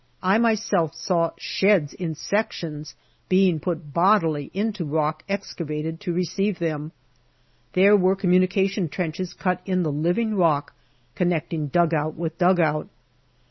I myself saw sheds in sections being put bodily into the rock excavated to receive them. There were communi cation trenches cut in the living rock connecting dugout with dugout.